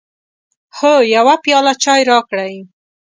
هو، یو پیاله چای راکړئ